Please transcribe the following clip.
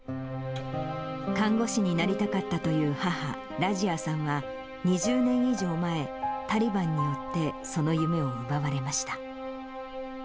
看護師になりたかったという母、ラジアさんは、２０年以上前、タリバンによって、その夢を奪われました。